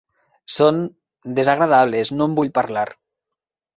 Són desagradables, no en vull parlar.